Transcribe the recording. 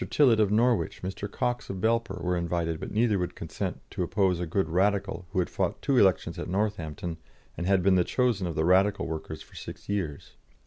Tillett, of Norwich, Mr. Cox, of Belper, were invited, but neither would consent to oppose a good Radical who had fought two elections at Northampton and had been the chosen of the Radical workers for six years.